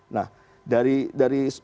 nah dari persoalan